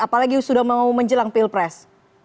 apalagi sudah mau menjelang pilpres